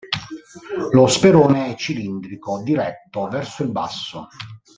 Lo sperone è cilindrico, diretto verso il basso.